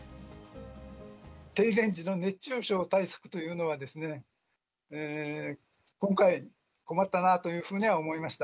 停電時の熱中症対策というのは、今回、困ったなというふうには思いました。